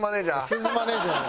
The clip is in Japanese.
すずマネージャー。